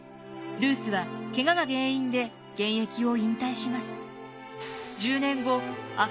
ルースはケガが原因で現役を引退します。